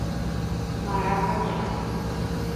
Maracajá